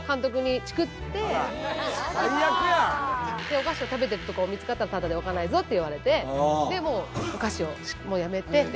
「おかしを食べてるとこを見つかったらただでおかないぞ」って言われてでもうおかしをやめて。